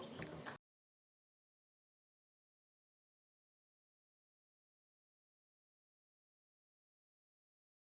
di video selanjutnya